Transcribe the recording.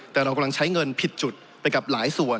แต่เรากำลังใช้เงินผิดจุดไปกับหลายส่วน